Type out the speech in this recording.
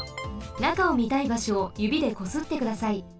なかをみたいばしょをゆびでこすってください。